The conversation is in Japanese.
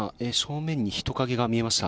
今、正面に人影が見えました。